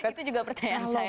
itu juga pertanyaan saya